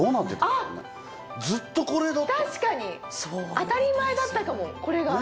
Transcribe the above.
当たり前だったかもこれが。